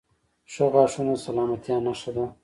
• ښه غاښونه د سلامتیا نښه ده.